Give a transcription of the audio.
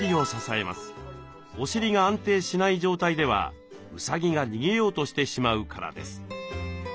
お尻が安定しない状態ではうさぎが逃げようとしてしまうからです。